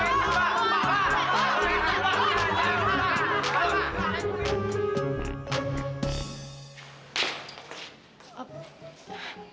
kita semua mau keluar